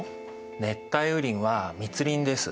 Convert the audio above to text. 熱帯雨林は密林です。